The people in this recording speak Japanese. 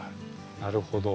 なるほど。